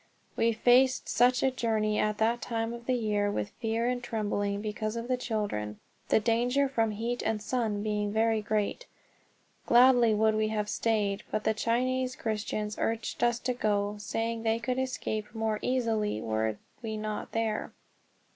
We faced such a journey at that time of the year with fear and trembling because of the children, the danger from heat and sun being very great. Gladly would we have stayed, but the Chinese Christians urged us to go, saying they could escape more easily were we not there.